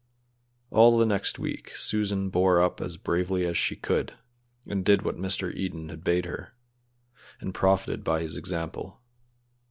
All the next week Susan bore up as bravely as she could, and did what Mr. Eden had bade her, and profited by his example.